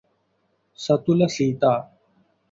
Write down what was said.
సతుల Sita